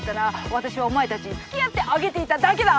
私はお前たちに付き合ってあげていただけだ。